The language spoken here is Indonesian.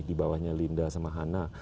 di bawahnya linda sama hana